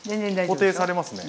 固定されますね。